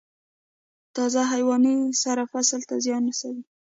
تازه حیواني سره فصل ته زیان رسوي؟